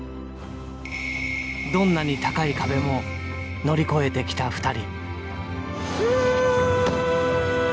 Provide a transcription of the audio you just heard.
どんなに高い壁も乗り越えてきた２人。